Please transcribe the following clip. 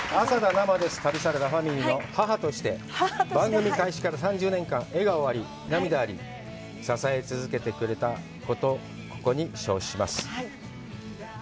生です旅サラダ」、ファミリーの母として番組開始から３０年間、笑顔あり、涙あり、支え続けてくれたことをここに称します。